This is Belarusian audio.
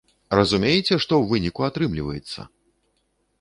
Разумееце, што ў выніку атрымліваецца!